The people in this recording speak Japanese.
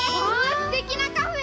すてきなカフェ！